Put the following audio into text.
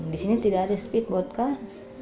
di sini tidak ada speedboat kah